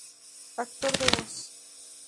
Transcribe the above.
Actor de voz